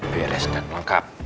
beres dan lengkap